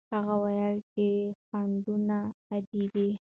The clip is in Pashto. هغه وویل چې خنډونه عادي دي.